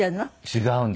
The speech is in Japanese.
違うんです。